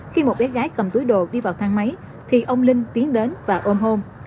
khi một bé gái cầm túi đồ đi vào thang máy thì ông linh tiến đến và ôm hôn